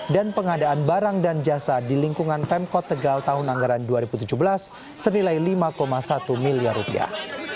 dan pengadaan barang dan jasa di lingkungan pemkot tegal tahun anggaran dua ribu tujuh belas senilai lima satu miliar rupiah